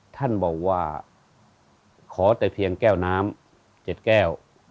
ท่านบอกว่าขอแต่เพียงแก้วน้ำ๗แก้ว